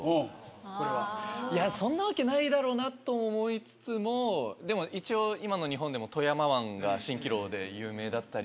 そんなわけないだろうなと思いつつも一応今の日本でも富山湾が蜃気楼で有名だったり。